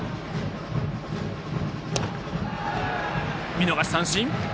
見逃し三振。